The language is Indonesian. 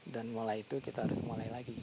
dan mulai itu kita harus mulai lagi